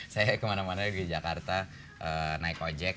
saya kemana mana di jakarta naik ojek